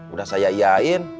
udah saya iain